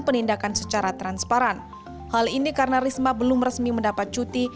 penindakan secara transparan hal ini karena risma belum resmi mendapat cuti